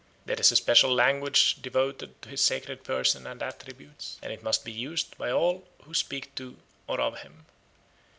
There is a special language devoted to his sacred person and attributes, and it must be used by all who speak to or of him.